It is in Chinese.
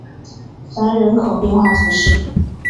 凡人口变化图示